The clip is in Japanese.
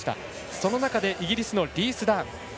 その中でイギリスのリース・ダン。